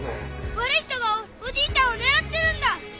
悪い人がおじいちゃんを狙ってるんだ。